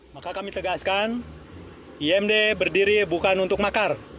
maka kami tegaskan imd berdiri bukan untuk makar